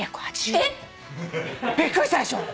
びっくりしたでしょ？